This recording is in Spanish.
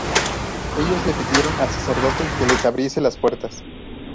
Ellos le pidieron al sacerdote que les abriese las puertas.